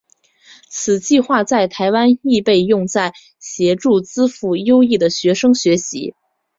此计画在台湾亦被用在协助资赋优异的学生学习。